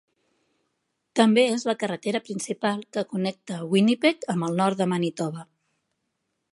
També és la carretera principal que connecta Winnipeg amb el nord de Manitoba.